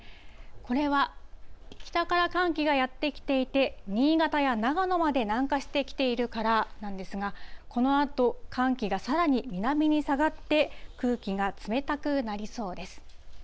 これは北から寒気がやって来ていて、新潟や長野まで南下してきているからなんですが、このあと、寒気がさらに南に下がって、空気が冷たくなりそうです。